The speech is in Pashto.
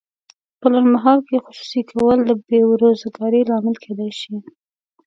په لنډمهال کې خصوصي کول د بې روزګارۍ لامل کیدای شي.